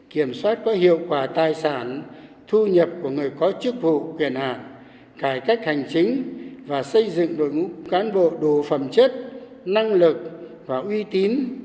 kiểm soát có hiệu quả tài sản thu nhập của người có chức vụ quyền hạn cải cách hành chính và xây dựng đội ngũ cán bộ đủ phẩm chất năng lực và uy tín